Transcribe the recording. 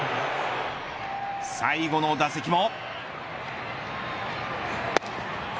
最後の打席も。